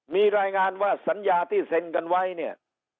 มีรายงานว่าสัญญาที่เซ็นกันไว้เนี่ย